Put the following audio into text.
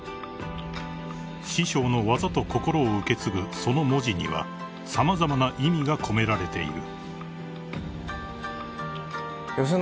［師匠の技と心を受け継ぐその文字には様々な意味が込められている］